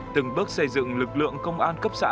từng bước xây dựng lực lượng công an cấp xã